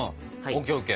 ＯＫＯＫ。